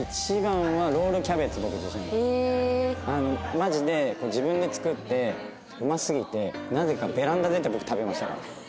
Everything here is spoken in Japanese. マジで自分で作ってうますぎてなぜかベランダ出て僕食べましたから。